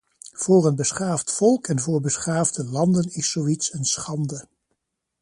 Voor een beschaafd volk en voor beschaafde landen is zoiets een schande.